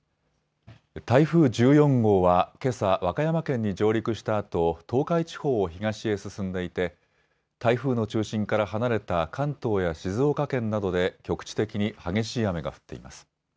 台風１４号は、けさ和歌山県に上陸したあと、東海地方を東へ進んでいて台風の中心から離れた関東や静岡県などで局地的に激しい雨が降っています。